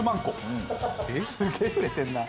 すげえ売れてるな。